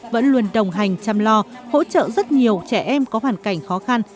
vẫn luôn đồng hành chăm lo hỗ trợ rất nhiều trẻ em có hoàn cảnh khó khăn